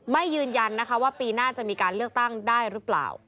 ยืนยันนะคะว่าปีหน้าจะมีการเลือกตั้งได้หรือเปล่า